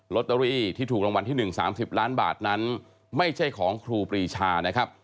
ตเตอรี่ที่ถูกรางวัลที่๑๓๐ล้านบาทนั้นไม่ใช่ของครูปรีชานะครับ